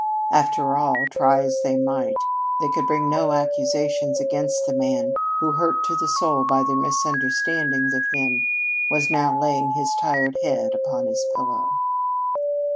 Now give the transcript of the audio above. After all, try as they might, they could bring no accusations against the man who, hurt to the soul by their misunderstanding of him, was now laying his tired head upon his pillow.